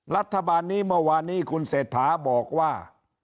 รัฐบาลนี้เมื่อวานนี้คุณเศรษฐาบอกว่า